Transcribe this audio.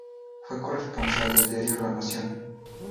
Fue corresponsal del diario La Nación.